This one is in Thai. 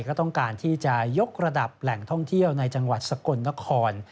ก็ต้องการที่จะยกระดับแหล่งท่องเที่ยวในจังหวัดสกลนคร